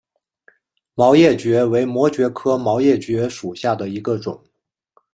毛叶蕨为膜蕨科毛叶蕨属下的一个种。